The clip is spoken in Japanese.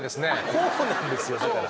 こうなんですよだから。